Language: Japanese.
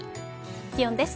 気温です。